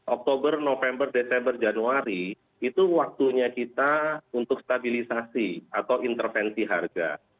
oktober november desember januari itu waktunya kita untuk stabilisasi atau intervensi harga